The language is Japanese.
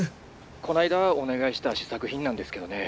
☎こないだお願いした試作品なんですけどね